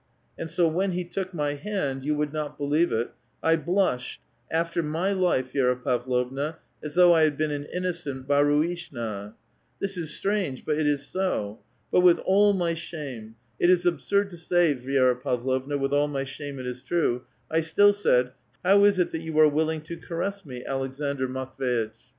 And so when he took my hand — you would not believe it — I blushed, after my life, Vi6ra Pavlovna, as though I had been an innocent haruishna. This is strange, ])nt it is so. But with all my shnme, — it is absurd to sny, Vi^ra Pavlovna, with all my shame, it is true, — I still said, ' How is it that you are willing to caress me, Aleksandr Matv<$itch?'